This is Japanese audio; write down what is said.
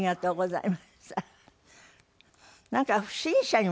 はい。